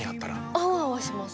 アワアワします